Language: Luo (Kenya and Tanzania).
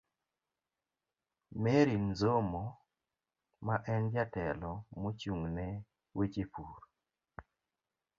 Mary Nzomo, ma en Jatelo mochung'ne weche pur